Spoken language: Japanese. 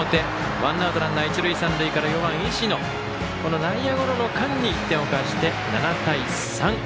ワンアウトランナー、一塁三塁から４番の石野内野ゴロの間に一点を返して７対３。